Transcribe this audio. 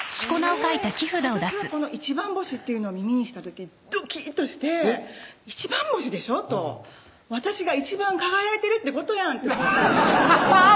私はこの「一番星」っていうのを耳にした時ドキッとして一番星でしょと私が一番輝いてるってことやんハハッ